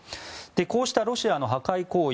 こうしたロシアの破壊行為